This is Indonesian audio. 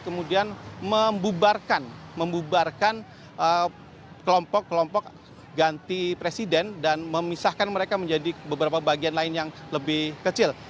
kemudian membubarkan kelompok kelompok ganti presiden dan memisahkan mereka menjadi beberapa bagian lain yang lebih kecil